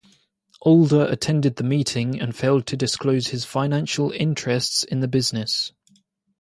Adler attended the meeting and failed to disclose his financial interest in the business.